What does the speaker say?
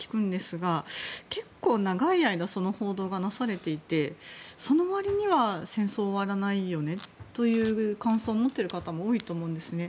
結構、長い間その報道がなされていてそのわりには戦争は終わらないよねという感想を持っている方も多いと思うんですね。